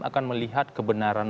akan melihat kebenaran